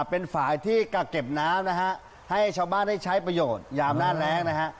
เป็นฝ่ายที่กักเก็บน้ำนะฮะให้ชาวบ้านได้ใช้ประโยชน์ยามหน้าแรงนะฮะ